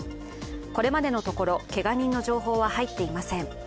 これまでのところけが人の情報は入っていません。